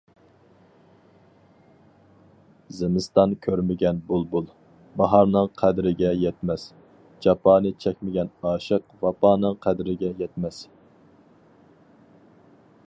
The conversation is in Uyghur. زىمىستان كۆرمىگەن بۇلبۇل، باھارنىڭ قەدرىگە يەتمەس، جاپانى چەكمىگەن ئاشىق، ۋاپانىڭ قەدرىگە يەتمەس.